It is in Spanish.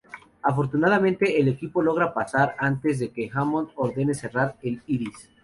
Afortunadamente, el equipo logra pasar antes de que Hammond ordene cerrar el Iris.